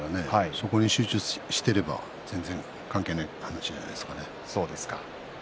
そこに集中していれば全然関係ない話じゃないですかね。